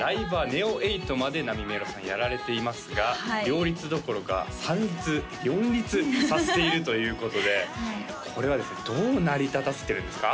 ＮＥＯ８までなみめろさんやられていますが両立どころか３立４立させているということでこれはですねどう成り立たせてるんですか？